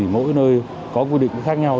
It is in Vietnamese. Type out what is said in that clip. mỗi nơi có quy định khác nhau